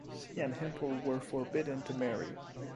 She and Himpel were forbidden to marry.